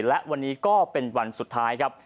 และวันนี้ก็เป็นวันสุดท้ายครับ